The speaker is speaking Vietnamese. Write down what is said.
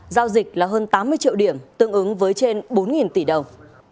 giao dịch là hơn tám mươi triệu điểm tương ứng với trên bốn tỷ đồng